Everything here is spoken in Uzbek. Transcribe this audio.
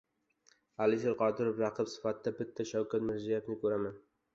Alisher Qodirov: Raqib sifatida bitta Shavkat Mirziyoyevni ko‘raman